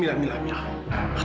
minah minah minah minah